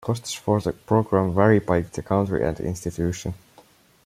Costs for the program vary by the country and institution.